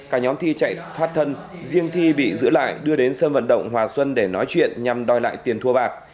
cả nhóm thi chạy thoát thân riêng thi bị giữ lại đưa đến sân vận động hòa xuân để nói chuyện nhằm đòi lại tiền thua bạc